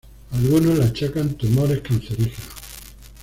Algunos le achacan tumores cancerígenos.